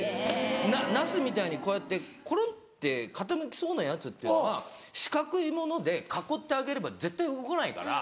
ナスみたいにこうやってコロって傾きそうなやつっていうのは四角いもので囲ってあげれば絶対動かないから。